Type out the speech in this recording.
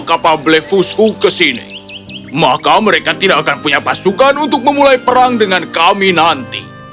kapal blefusku kesini maka mereka tidak akan punya pasukan untuk memulai perang dengan kami nanti